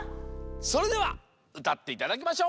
それではうたっていただきましょう。